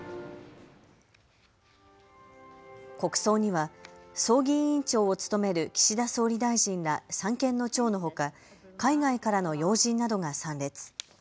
国葬には葬儀委員長を務める岸田総理大臣ら三権の長のほか海外からの要人などが参列。